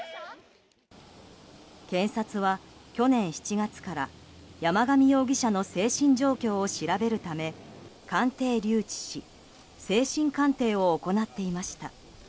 検察は、去年７月から山上容疑者の精神状況を調べるため鑑定留置し精神鑑定を行っていました。